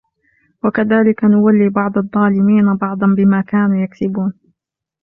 وَكَذَلِكَ نُوَلِّي بَعْضَ الظَّالِمِينَ بَعْضًا بِمَا كَانُوا يَكْسِبُونَ